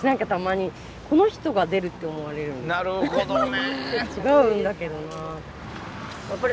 なるほどね。